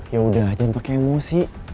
yaudah jangan pakai emosi